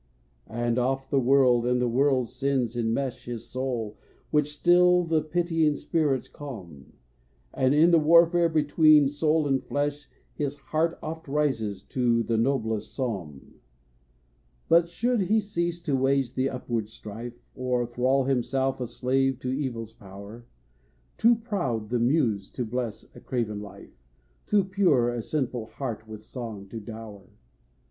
And oft the world and the world's sins immesh His soul, which still the pitying spirits calm; And in the warfare between soul and flesh His heart oft rises to the noblest psalm. But should he cease to wage the upward strife, Or thrall himself a slave to evil's power, Too proud the Muse to bless a craven life, Too pure, a sinful heart with song to dower.